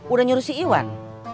udah nyuruh si iwan